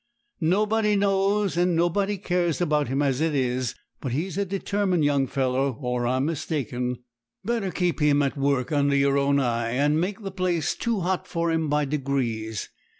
Nobody knows and nobody cares about him as it is; but he is a determined young fellow, or I'm mistaken. Better keep him at work under your own eye, and make the place too hot for him by degrees.